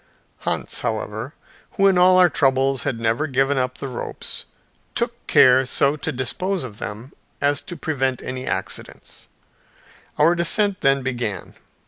Hans, however, who in all our troubles had never given up the ropes, took care so to dispose of them as to prevent any accidents. Our descent then began.